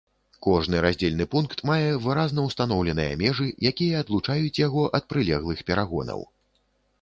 Кожны раздзельны пункт мае выразна устаноўленыя межы, якія адлучаюць яго ад прылеглых перагонаў.